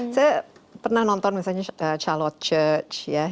saya pernah nonton misalnya charlotte church